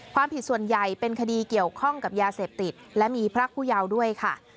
ความผิดส่วนใหญ่เป็นคดีเกี่ยวข้องกับยาเสพติดและมีพระผู้เยาว์ด้วยค่ะ